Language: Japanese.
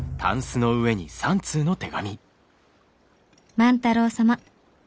「万太郎様